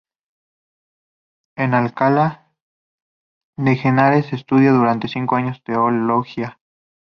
En Alcalá de Henares estudia durante cinco años teología.